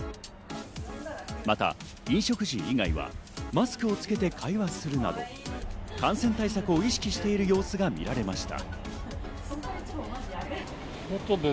また飲食時以外はマスクをつけて会話をするなど感染対策を意識している様子が見られました。